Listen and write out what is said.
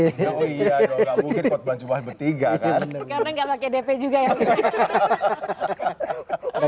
oh iya doang nggak mungkin khotbah jumat bertiga kan karena enggak pakai dp juga ya hahaha ada